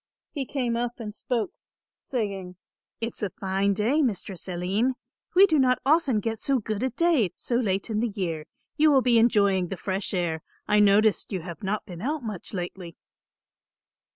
He came up and spoke, saying, "It's a fine day, Mistress Aline; we do not often get so good a day so late in the year. You will be enjoying the fresh air. I noticed you have not been out much lately."